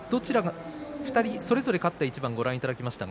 それぞれ勝った一番をご覧いただきました。